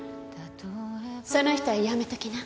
その人はやめときな。